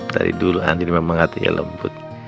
dari dulu andien memang hatinya lembut